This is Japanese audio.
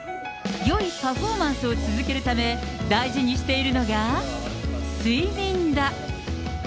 よいパフォーマンスを続けるため、大事にしているのが睡眠だ。